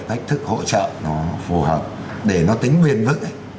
cái cách thức hỗ trợ nó phù hợp để nó tính nguyên vững ấy